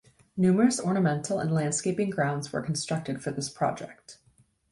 Numerous ornamental and landscaping grounds were constructed for this project.